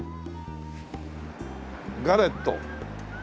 「ガレット」